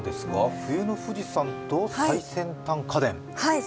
冬の富士山と最先端家電。